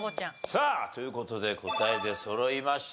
さあという事で答え出そろいました。